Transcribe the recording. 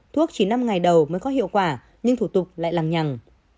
thuốc chỉ năm ngày đầu mới có hiệu quả nhưng thủ tục lại làm nhằng